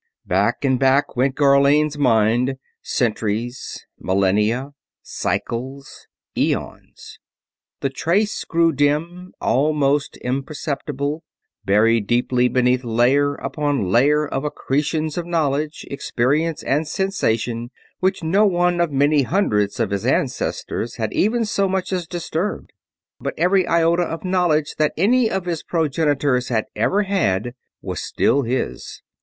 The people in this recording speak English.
Back and back went Gharlane's mind. Centuries ... millenia ... cycles ... eons. The trace grew dim, almost imperceptible, deeply buried beneath layer upon layer of accretions of knowledge, experience, and sensation which no one of many hundreds of his ancestors had even so much as disturbed. But every iota of knowledge that any of his progenitors had ever had was still his.